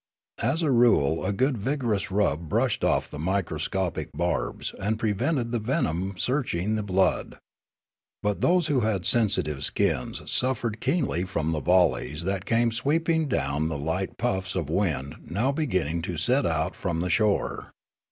As a rule a good vigorous rub brushed off the micro scopic barbs and prevented the venom searching the blood. But those who had sensitive skins suffered keenly from the volleys that came sweeping down the light puffs of wind now beginning to set out from the shore.